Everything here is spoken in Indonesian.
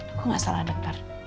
aku gak salah denger